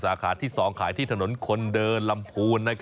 สมตำที่ลำภูล